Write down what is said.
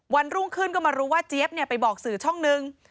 รุ่งขึ้นก็มารู้ว่าเจี๊ยบไปบอกสื่อช่องนึง